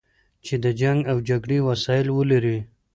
چې د جنګ او جګړې وسایل ولري.